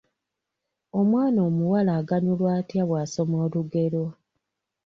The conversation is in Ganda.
Omwana omuwala aganyulwa atya bw’asoma olugero?